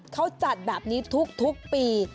เขาจัดแบบนี้ทุกปี